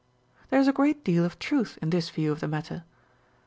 There is a great deal of truth in this view of the matter.